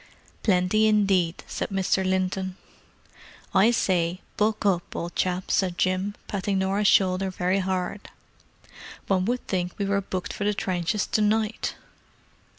"Plenty indeed," said Mr. Linton. "I say, buck up, old chap," said Jim, patting Norah's shoulder very hard. "One would think we were booked for the trenches to night!"